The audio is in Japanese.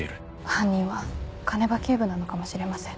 犯人は鐘場警部なのかもしれません。